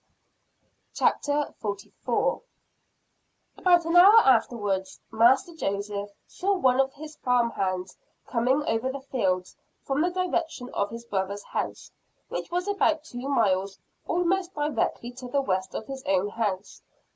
CHAPTER XLIV. How Master Joseph Circumvented Mistress Ann. About an hour afterwards, Master Joseph saw one of his farm hands coming over the fields from the direction of his brother's house, which was about two miles almost directly to the west of his own house.